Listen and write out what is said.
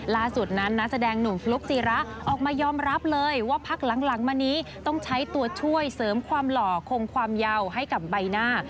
ล่าสุดนั้นนักแสดงหนุ่มฟลุ๊กศิระออกมายอมรับเลยว่าพักหลังมานี้ต้องใช้ตัวช่วยเสริมความหล่อคงความยาวให้กับใบหน้า